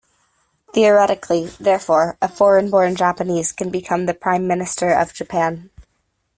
Theoretically, therefore, a foreign-born Japanese can become the Prime Minister of Japan.